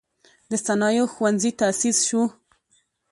د صنایعو ښوونځی تأسیس شو.